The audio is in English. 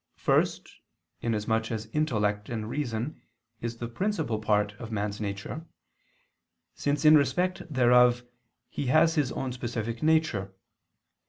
First, inasmuch as intellect and reason is the principal part of man's nature, since in respect thereof he has his own specific nature.